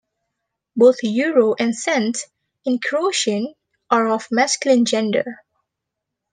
Both "euro" and "cent" in Croatian are of masculine gender.